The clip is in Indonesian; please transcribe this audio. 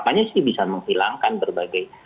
apanya sih bisa menghilangkan berbagai